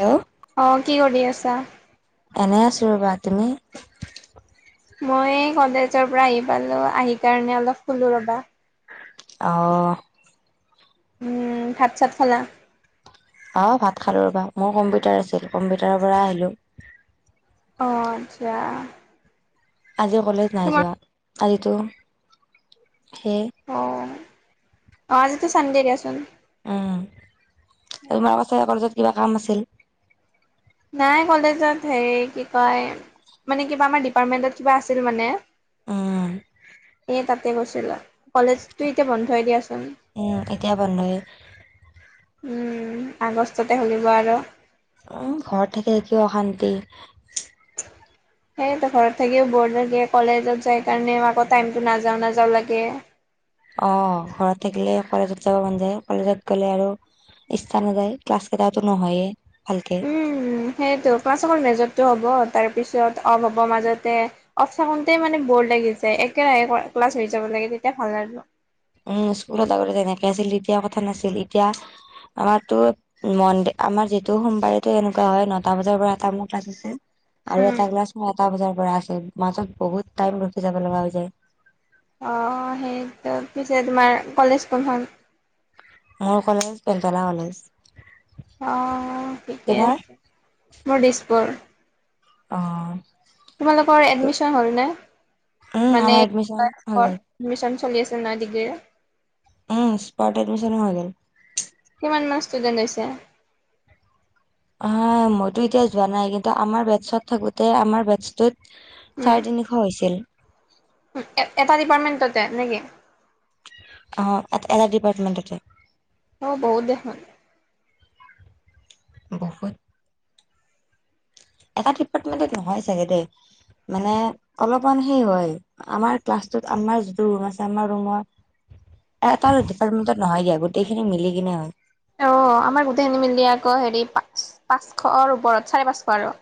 Hello আহ কি কৰি আছা। এনেই আছোঁ ৰ'বা। তুমি? মই কলেজৰ পৰা আহি পালো আহি কাৰণে অলপ শুলো ৰবা। অ উম ভাত চাত খালা। অ ভাত খালো ৰবা মোৰ কম্পিউটাৰ আছিল কম্পিউটাৰৰ পৰা আহিলো। অ আচ্ছা আজি কলেজ নাই তোমাৰ যোৱা আজিতো সেই- অ অ আজিতো চানডে দিয়াচোন। উম তোমাৰ কছে কলেজত কিবা কাম আছিল। নাই কলেজত হে কি কয়। মানে কিবা আমাৰ ডিপাৰ্টমেন্টত কিবা আছিল মানে। উম এ তাতে গৈছিলা কলেজতটো এতিয়া বন্ধই দিয়াচোন। এতিয়া বন্ধৱে উম আগষ্টতে খুলিব আৰ। আহ ঘৰত থাকে কিয় অশান্তি- সেইটো ঘৰত থাকিও বৰ লাগে কলেজত যাই কাৰণে আকৌ টাইমটো নাযাওঁ নাযাওঁ লাগে। অ ঘৰত থাকিলে কলেজত যাব মন যায় কলেজত গ'লে আৰু- ইচ্ছা নাযায় ক্লাছ কেইটাও নহয়ে। ভালকে উম সেইটো ক্লাছ অকল মেজতটো হ'ব। তাৰ পিছত অফ হ'ব মাজতে অফ থাকোঁতে মানে বৰ লাগি যায় একেৰাহে ক্লাছ যাব লাগে তেতিয়া ভাল লাগিব। উম স্কুলত আগতে তেনেকে আছিল তেতিয়া কথা নাছিল এতিয়া। আমাৰতো মনদ আমাৰ যিহেতু সোমবাৰেতো এনেকুৱা হয় নটা বজাৰ পৰা এটা মোৰ ক্লাছ আছে। আৰু এটা গ্লাছ মোৰ এটা বজাৰ পৰা আছে মাজত বহুত টাইম ৰখি যাব লগা হৈ যায়। অ সেইটো পিছে তোমাৰ কলেজ কোনখন মোৰ কলেজ পেন্তলা কলেজ অ ঠিকে তোমাৰ আছে মোৰ দিছপুৰ অ তোমালোকৰ এডমিশ্যন হল নে উম মানে আমাৰ এডমিশন হৈ গ'ল চলি আছে নাই ডিগ্ৰীৰে। উম স্পৰ্ট এডমিচন হয় গেল। কিমান মান ষ্টুডেণ্ট হৈছে। মইতো এতিয়া যোৱা নাই কিন্তু আমাৰ বেটছত থাকোতে আমাৰ বেটছটোত। চাৰে তিনিশ হৈছিল এটা ডিপাৰ্টমেন্টতে নেকি? অ' এটা ডিপাৰ্টমেণ্টতে। অ' বহুত দেখো। বহুত। এটা ডিপাৰ্টমেণ্টত নহয় চাগে দেই। মানে অলপমান সেই হয় আমাৰ ক্লাছটোত, আমাৰ যিটো ৰুম আছে আমাৰ ৰুমৰ এটা আৰু ডিপাৰ্টমেণ্টত নহয় দিয়া গোটেইখিনি মিলি কিনে হয়। অ' আমাৰ গোটেইখিনি মিলে আকৌ হেৰি পাঁচ- পাঁচশৰ ওপৰত চাৰে পাঁচশ আৰু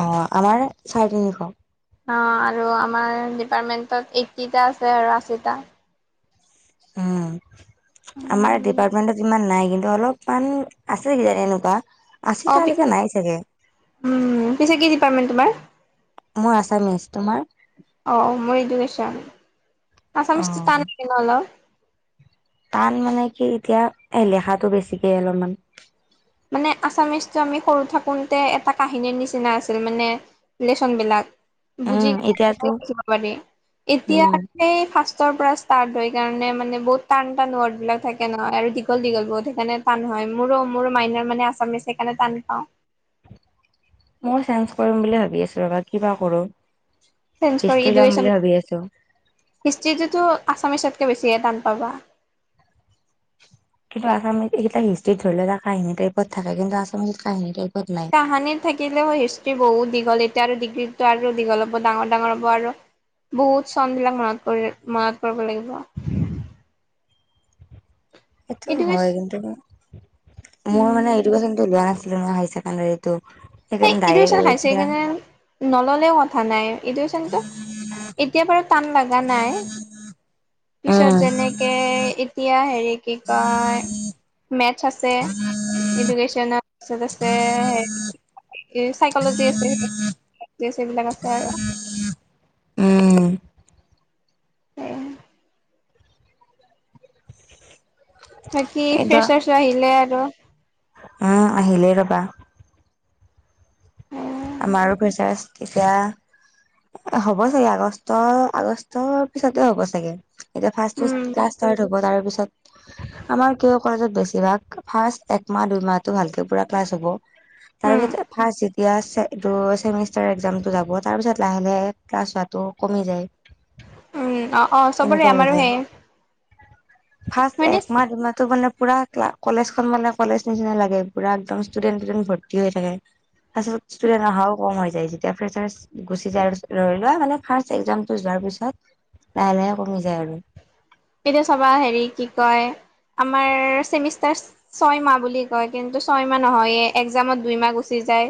অ' আমাৰ চাৰে তিনিশ। অ আৰু আমাৰ ডিপাৰ্টমেণ্টত এইটিটা আছে আৰু আশীটা। উম, আমাৰ উম ডিপাৰ্টমেন্টত ইমান নাই। কিন্তু অলপ মান আছে কিজানি এনেকুৱা। অ' উম' আশীটালৈকে নাই চাগে পিছে কি ডিপাৰ্টমেণ্ট তোমাৰ? মই আছামিছ, তোমাৰ। অ' মোৰ এডুকেচন, অ আছামিছটো টান আছে ন' অলপ। টান মানে কি এতিয়া লেখাটো বেছিকে অলপমান। মানে আছামিজটো আমি সৰু থাকোতে এটা কাহিনীৰ নিচিনা আছিল মানে লেচন বিলাক। বুজি উম এতিয়াতো লিখিব লাগে এতিয়া উম ফাৰ্ষ্ট পৰা ষ্টাৰ্ট হয় কাৰণে মানে বহুত টান, টান ৱৰ্ড বিলাক থাকে নহয় আৰু দীঘল দীঘল বহুত সেইকাৰণে টান হয়। হয়, মোৰো মোৰো মাইনা মানে আছামিচ সেইকাৰণে টান পাও। মই চেঞ্জ কৰিম বুলি ভাবি আছো ৰবা কিবা কৰো। [unintelligible] হিষ্ট্ৰী ল'ম ইডুকেচকেন বুলি ভাবি আছো হিষ্টটোতো আছামিছতে। বেছিয়হে টান পাবা। আামি এগিলা তা হিষ্ট্ৰীত ধৰি লও এটা কাহিনী টাইপত থাকে কিন্তু আসামিচত কাহিনী টাইপ কাহানি থাকিলেও হিষ্ট্ৰি বহুত দীঘল। এতিয়া আৰু ডিগ্ৰীতো আৰু দীঘল হ'ব ডাঙৰ- ডাঙৰ হ'ব আৰু বহুত চন বিলাক মনত পৰিব লাগিব। সেইটো এডুকেচ হয় কিন্তু মোৰ মানে উম এডকেচনটো লোৱা নাছি ছিলো নহয় হাই ছেকেণ্ডাৰীতো। সেই এডুকেশ্যন হায় ছেকেণ্ডৰীত নললেও কথা নাই। এডুকেচনতো এতিয়া বাৰু টান লাগা নাই। পিছত উম যেনেকে এতিয়া হেৰি কি কয় মেথছ আছে। এডুকেচন আছে তছে এই চাইকলজি আছে, আছে এইবিলাক আছে আৰু উম'। উ' বাকী এইটো ফেচাৰ্চ আহিলে আৰু উম' আহিলেই ৰবা। আমাৰো পইচা তেতিয়া হ'ব চাগে আগষ্ট, আগষ্টৰ পিছতে হ'ব চাগে। এতিয়া ফাৰ্ষ্ট উম ক্লাষ্ট ষ্টাৰ্ট হ'ব তাৰ পিছত আমাৰ কিয় কলেজত বেছি ইবাৰ ফাৰ্ষ্ট একমাহ, দুই মাহটো ভালকে পুৰা ক্লাচ হ'ব। উম তাৰপিছত ফাৰ্ষ্ট এতিয়া এইটো চেমিষ্টাৰ একজামটো যাব তাৰ পিছত লাহে লাহে ক্লাছ হোৱাটো কমি যায়। [inaudible] উম অ', -অ' চবৰে এনেকুৱা হৈ আমাৰো যায় সেয়ে। ফাৰ্ষ্ট এক মাহ [unintelligible] পুৰা কা কলেজখন মানে কলেজ নিচিনা লাগে পুৰা একদম ষ্টুডেণ্ট টুডেন্ট ভৰ্তি হৈ থাকে। তাৰপিছত ষ্টুডেন্ট অহাও কম হৈ যায় যেতিয়া ফেচাচ গুচি যায় ধৰি লোৱা মানে ফাৰ্ষ্ট যোৱাৰ পিছত পিছত লাহে লাহে কমি যায় আৰু এতিয়া চবা হেৰি কি কয় আমাৰ চেমিষ্টাৰ ছয় মাহ বুলি কয়। কিন্তু ছয় মাহ নহয়ে এক্সজামত দুই মাহ গুচি যায়।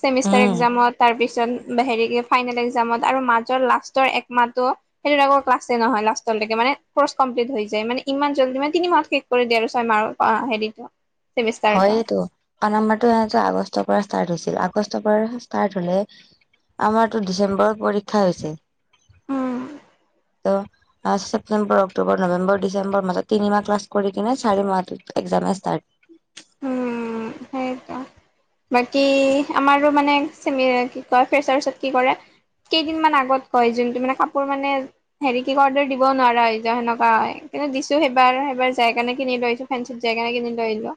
চেমিষ্টাৰ উম এক্সজামত তাৰ পিছত। হেৰি ফাইনেল এক্সজামত আৰু মাজৰ লাষ্টৰ একমাহটো সেইটোত আকৌ ক্লাছে নহয় লাষ্টলৈকে মানে। কৰ্চ কমপ্লিট হৈ যায় মানে ইমান জল্দি মানে তিনি মাহত শেষ কৰি দিয়ে আৰু ছয় মাহৰ হেৰিটো চেমিষ্টাৰটো হয়েতো ক নাম্বাৰটো সিহঁতৰ আগষ্টৰ পৰা ষ্টাৰ্ট হৈছে। আগষ্টৰ পৰা ষ্টাৰ্ট হ'লে আমাৰটো ডিচেম্বৰত পৰীক্ষা হৈছিল। [unintelligible] উম ত' ছেপ্তেম্বৰ অক্টোবৰ নৱেম্বৰ ডিচেম্বৰ মাজত তিনিমাহ ক্লাছ কৰি কিনে চাৰি মাহত এজামে ষ্টাৰ্ট উম সেইটো বাকী আমাৰো মানে চ কি কয় ফ্ৰেচাচত কি কৰে। কেইদিনমান আগত কয় যোনটো মানে কাপোৰ মানে হেৰি কি অৰ্ডাৰ দিব নোৱাৰা হয় যায় সেনেকুৱা হয়। কিন্তু দিছো সেইবাৰ সেইবাৰ যায় কেনে কিন লৈ আহিছো ফেঞ্চিত যায় কেনে কিনি লৈ আহিলো।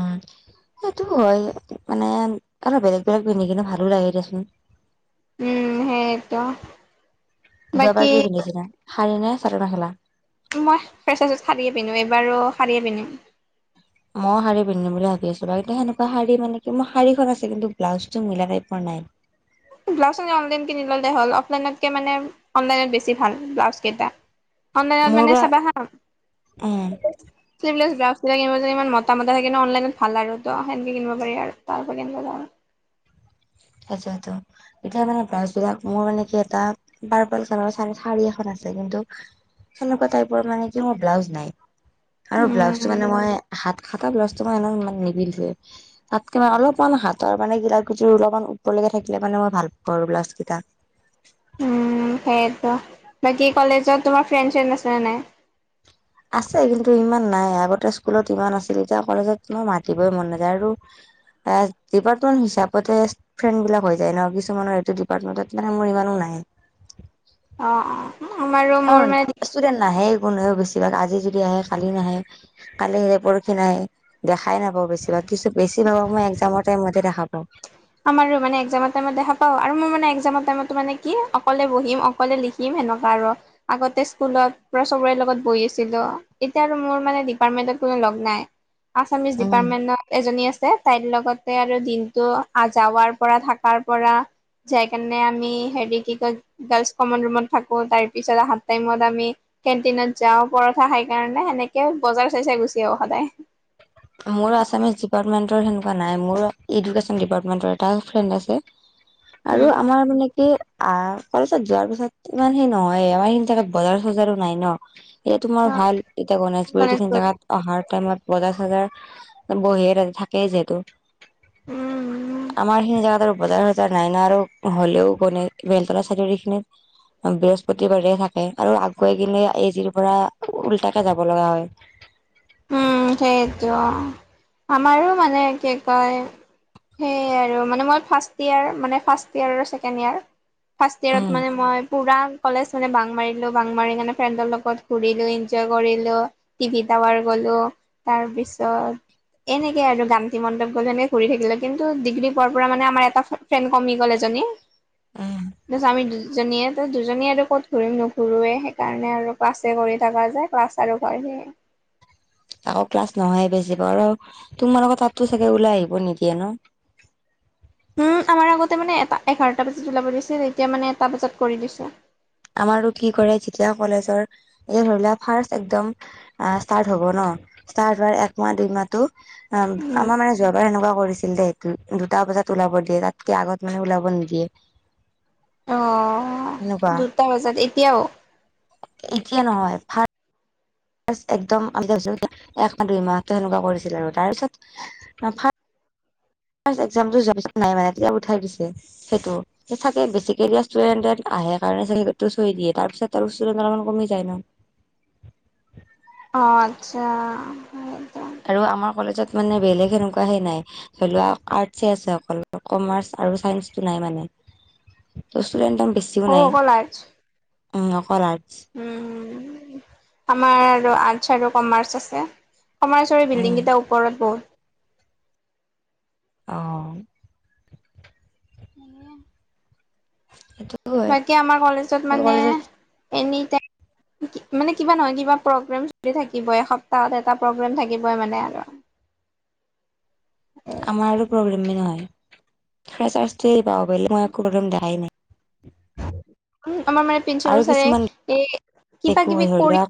উম, সেইটো হয়। মানে আৰু বেলেগ বেলেগ পিন্ধি কিন্তু ভালো লাগে দেচোন। উম, সেইটো। যোৱাবাৰ বাকী কি পিন্ধিছিলা? সাৰি নে চাদৰ মেখেলা। মই ফেচাচত সাৰিয়ে পিন্ধো, এইবাৰো সাৰিয়ে পিন্ধিম। মই সাৰিয পিন্ধম বুলি ভাবি আছো আৰু কিন্তু সেনেকুৱা সাৰি মানে মোৰ সাৰিখন আছে, কিন্তু ব্লাউজটো মিলা টাইপৰ নাই। বাই? ব্লাউজ অনলাইন কিনি ললে হ'ল অফলাইনতকে মানে অনলাইনত বেছি ভাল ব্লাউজ কেইটা। অনলাইনত মোৰ মানে বা চাবা হা উম [unintelligible] ব্লাউজ ক ইমান মতা মতা থাকে ন, অনলাইনত ভাল আৰু ত সেনেকে কিনিব পাৰি আৰু তাৰ পৰা কিনিব আৰু। সেইটোটো। এতিয়া মানে ব্ৰাউছ বিলাক মোৰ মানে কি এটা পাৰ্পল কালাৰৰ সাৰি এখন আছে। কিন্তু সেনেকুৱা টাইপৰ মানে কি মোৰ ব্লাউজ নাই। আৰু ব্লাউজটো উম মানে মই হাত খাটা ব্লাউজ। মই এনেও ইমান নিপিন্ধোৱে তাতকে মই অলপমান হাতৰ মানে গিলা অলপমান। লৈকে থাকিলে মানে মই ভাল পাওঁ আৰু ব্লাউজ। কেইটা। উম সেই। বাকী কলেজত তোমাৰ ফ্ৰেণ্ড চেড আছে নে নাই? আছে কিন্তু ইমান নাই, আগতে স্কুলত ইমান আছিল এতিয়া কলেজতই মাতিবই মন নাযায় আৰু। এ ডিপাৰ্টমেন্ট হিচাপতে ফ্ৰেণ্ড বিলাক হৈ যায় ন, কিছুমানৰ এইটো ডিপাৰ্টমেন্টত মানে মোৰ ইমানো নাই। [unintelligible] অ' অ' আমাৰো মোৰ কাৰণ মানে ইষ্টুডেণ্ট নাহেই। নহয়ও বেছিভাগ আজি যদি আহে কালি নাহে, কালি আহে পৰহি নাহে দেখাই নাপাও বেছিভাগ ছো বেছি ভাগক মই এক্সজামৰ টাইমতহে দেখা পাওঁ। আমাৰো মানে এক্সজামৰ টাইমত দেখা পাওঁ আৰু মই মানে এক্সজামৰ টাইমতো মানে কি অকলে বহিম অকলে লিখিম। সেনেকুৱা আৰু, আগতে স্কুলত সবৰে লগত বহি আছিলো। এতিয়া আৰু মোৰ মানে ডিপাৰ্টমেন্টত। কোন লগ নাই। আছামিচ উম ডিপাৰ্টমেন্টত এজনী আছে তাইৰ লগতে আৰু দিনটো আ যাৱাৰ পৰা থাকাৰ পৰা যায় কেনে আমি হেৰি কি কয় গাৰ্লচ কমন ৰুমত থাকো তাৰ পিছত আহাত টাইমত আমি কেণ্টিনত যাওঁ পৰঠা খাই কাৰণে সেনেকে বজাৰ চাই চাই গুচি আহোঁ সদায়। ডিপাৰ্টমেণ্ট তেনেকুৱা নাই। মোৰ এই ইডোকেচন ডিপাৰ্টমেন্টৰ এটা ফ্ৰেণ্ড আছে। আৰু উম আমাৰ মানে কি আহ কলেজত যোৱাৰ পিছত ইমান সেই নহয় আমাৰ সেই জেগাত বজাৰ চজাৰো নাই ন। এতিয়া তোমাৰ অ', ভাল এতিয়া গণেশগুৰি এইিখিনি জেগাত অহাৰ টাইমত বজাৰ চজাৰ বহিয়ে থাকেই যিহেতু উম আমাৰ এইখিনি জেগাটো বজাৰ চজাৰ নাই না আৰু হ'লেও ক ন বেলতলা চাই দৰ এইখিনিত বৃহস্পতিবাৰে থাকে আৰু আগুৱাই গিলে এজিৰ পৰা উওল্টাকে যাব লগা হয় [unintelligible] উম সেইটো আমাৰো মানে কি কয় সেয় আৰু মানে মই ফাৰ্ষ্টয়েৰ মানে, ফাৰ্ষ্টয়েৰ আৰু ছেকেণ্ড ইয়াৰ। ফাৰ্ষ্ট ইয়েৰত উম মানে মই। পুৰা কলেজ মানে বাং মাৰিলো বাং মাৰি মনেে ফ্ৰেণ্ডৰ লগত ঘূৰিলো এনজয় কৰিলো টিভি টাৱাৰ। গলো তাৰ পিছত। এনেকে আৰু গান্ধী মণ্ডপ গ'লে এনেকে ঘৰি থাকিলো কিন্তু ডিগ্ৰী পোৱাৰ পৰা মানে আমাৰ এটা ফ্ৰেন কমি গ'ল এজ। হয়ানে উম তাৰিছত আমি দুজনীয়ে ত দুজনী আৰু ক'ত ঘূৰিম নুঘুুৰৱে সেইকাৰণে আৰু ক্লাছে কৰি থাকো। যায় ক্লাছ আৰু কৰেহি আকৌ ক্লাছ নহয়ে বেছি পা আৰু তোমাৰোক তাতো চাগে ওলাই আহিব নিদিয়ে ন [unintelligible] উম আমাৰ আগতে মানে এটা এঘাৰটা বজাত ওলাব দিছিল তেতিয়া মানে এটা বজাত কৰি দিছে আমাৰো কি কৰে যেতিয়া কলেজৰ এই ধৰি লোৱা ফাৰ্ষ্ট একদম ষ্টাৰ্ট হ'ব ন তাৰ দৰে একমাহ দুইমাহটো অ উম, আমাৰ মানে যোৱাবাৰ এনেকুৱা কৰিছিল দে সেইটো দুটা বজাত ওলাব দিয়ে তাতকে আগত মানে ওলাব নিদিয়ে অ সেনেকুৱা দুটা বজাত এতিয়াও এতিয়া নহয় ফা একদম আমিছো একমাহ দুই মাহটো সেনেকুৱা কৰিছিল আৰু তাৰপিছত ফা এক্সাম টো যোৱা পাছত নাই মানে তেতিয়া উঠাই দিছে সেইটো তথাপি বেচি কেইলি দিয়া ষ্টুডেণ্টচ্ আহে কাৰণে চাগ গোটেইটো থৈ দিয়ে তাৰ পিছত তাৰ ও্চলমান কমি যায় ন অ আচ্ছা। আৰু আমাৰ কলেজত মানে বেলেগ সেনেকুৱা হে নাই ধ লোৱা আৰ্টছে আছে অকল কমাৰ্চ। আৰু চাইন্সটো নাই মানে। ষ্টুডেণ্ট সৌ বেছিও নাই অকল আৰ্টছ উম অকল আৰ্ট। উম। আমাৰ আৰু আৰ্টচ আৰু কমাৰ্চ আছে। কমাৰ্চৰ বিল্ডিং উম কেইটা ওপৰত বহুত। অঁ। নিয়ে। হিটো। বাকী আমাৰ কলেজত মানে এনি। টাইম [inaudible] মানে কিবা নহয় কিবা প্ৰগ্ৰেম চলি থাকিবই এসপ্তাহত এটা প্ৰগ্ৰেম থাকিবই মানে আৰু। আমাৰ আৰু প্ৰগ্ৰেম। মেই নহই ফ্ৰেছ আছ তো বাদে মই একো প্ৰগেম দেখাই নাই। উম আমাৰ মানে প্ৰিঞ্চিপল আৰু ছাৰে কিছুমান এই কিবা দেখো কিবি কৰি।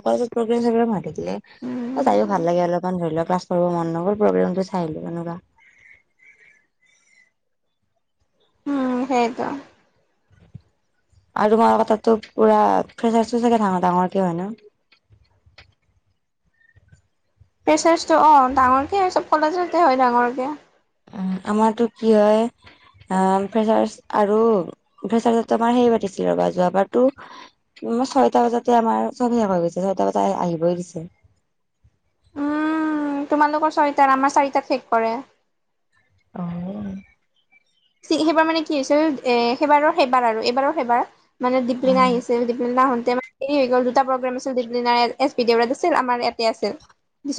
অকল প্ৰগ্ৰেম চগ্ৰম মতি দিলে উম, তাইো ভাল লাগে অলপমান ধৰি লওক। ক্লাছ কৰিব মন নগ'ল প্ৰগ্ৰেমটো চাইিলো এনেকুৱা। উম সেইটো। আৰু ম কটাতো পুৰা ফেছআছ টো চাগে ডাঙৰ ডাঙৰকে হয় ন। [unintelligible] ফ্ৰেশ্বাটো অ ডাঙৰকে আৰু চব কলেজতে হয় ডাঙৰকে। উ আমাৰতো কি হয়। অ' ফ্ৰেছাৰ্ছ আৰু ফেছাৰ্জো আমাৰ সেই পাতিছিল ৰ'ব যোৱাবাৰতো। ছয়টা বজাতে আমাৰ চব শেষ হৈ গৈছে, ছয়টা বজাত আহিবই দিছে। [inaudible] উম তোমালোকৰ চয়টাৰ আমাৰ চাৰিটাাত শেষ কৰে। অহ। চি সেইবাৰ মানে কি হৈছিল এ সেইবাৰৰ সেইবাৰ আৰু এইবাৰৰ সেইবাৰ। মানে দিপলিনা উম, আহিছিল দিপলিনা শুন। তেতিয়া মানে হেৰি হৈ গ'ল দুটা প্ৰগ্ৰেম আছিল দিপলিনা এছ দেত আছিল আমাৰ ইয়াতে আছিল।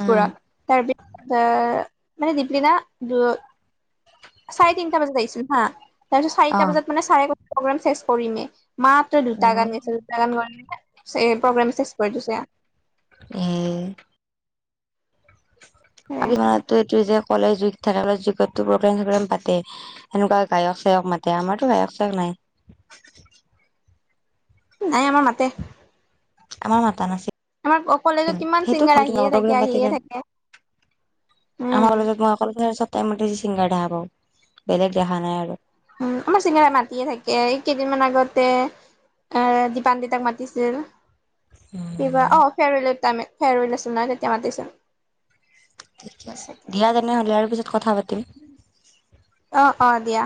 উম, তাৰপিছত আহ মানে দিপলিনা দু। চাৰে তিনিটা বজাত আহিছিলো হা, তাৰপিছত চাৰিটা অ'। বজাত মানে চাৰে প্ৰেগেম চেছ কৰিমে। মাত্ৰ দুটা অ'। গান গৈছে দুটা গান প্ৰগ্ৰেম চেজ কৰি দিছে। উম আমাৰ এইটোয়ে যে। কলে যুগ থাকে কলে যুগতো প্ৰগ্ৰলেম চগ্ৰলেম পাতে সেনেকুৱা গায়ক চায়ক মাতে আমাৰতো গায়ক চক নাই [unintelligible] [unintelligible] নাই আমাৰ মাতে। আমাৰ মাতা আমাৰ নাছিল কলেজত কিমান সেইটো ছিংগাৰ ভন্টি আহিয়ে লগৰ থাকে বোৰে আহিয়ে মাতিলে। থাকে আমাৰ উম কলেজত মই অকল চাই টাইম ছিংগাৰ দেখা পাওঁ বেলেগ দেখা নাই আৰু। উম আমাৰ চিংগাৰ মাতিযে থাকে। কেইদিনমান আগতে এ দিপান দিতাক মাতিছিল। কিবা অ উম, ফেৰেল টাই ফেৰৱেল আছিল তেতিয়া মাতিছোন। দিয়া তেনেহলে আৰু পিছত কথা পাতিম। অ অ দিয়া।